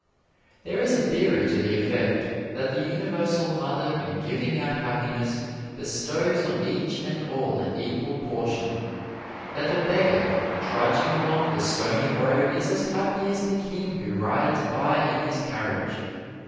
There is a theory to the effect that the Universal Mother in giving out happiness bestows on each and all an equal portion that the beggar trudging along the stony road is as happy as the king who rides by in his carriage.